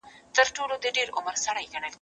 روژه د جهنم د اور پر وړاندې کلکه ډال ده.